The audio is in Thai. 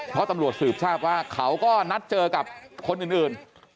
เพราะตำรวจสืบทราบว่าเขาก็นัดเจอกับคนอื่น